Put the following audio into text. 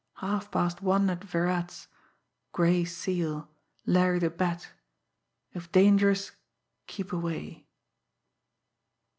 half past one at Virat's ... Gray Seal ... Larry the Bat ... if dangerous, keep away